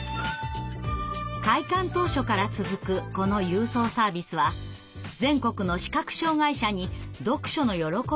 開館当初から続くこの郵送サービスは全国の視覚障害者に読書の喜びを届けてきました。